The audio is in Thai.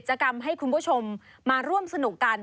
กรรมให้คุณผู้ชมมาร่วมสนุกกัน